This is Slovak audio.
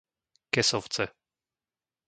Kesovce